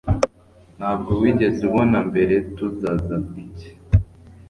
Ntabwo wigeze ubona mbere Tuzaza iki